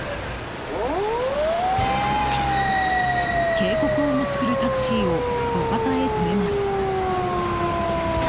警告を無視するタクシーを路肩へ止めます。